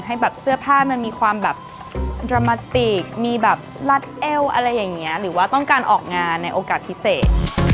ให้แบบเสื้อผ้ามันมีความแบบรามาติกมีแบบลัดเอวอะไรอย่างนี้หรือว่าต้องการออกงานในโอกาสพิเศษ